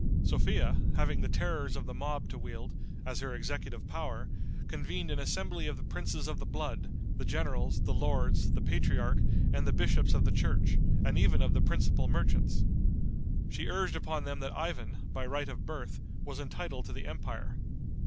Sophia, having the terrors of the mob to wield, as her executive power, convened an assembly of the princes of the blood, the generals, the lords, the patriarch and the bishops of the church, and even of the principal merchants. She urged upon them that Ivan, by right of birth, was entitled to the empire.